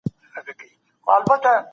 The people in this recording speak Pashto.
د انټرنیټ اسانتیاوې د هر ځوان حق دی.